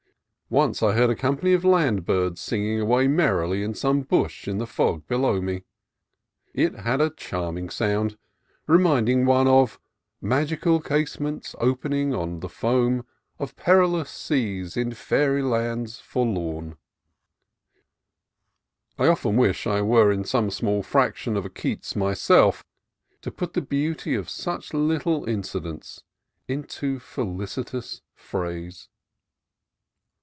Once I heard a company of land birds singing away merrily in some bush in the fog below me. It had a charming sound, reminding one of "... magic casements opening on the foam Of perilous seas in faery lands forlorn." I often wished I were some small fraction of a Keats myself, to put the beauty of such little inci dents into felicitous phrase.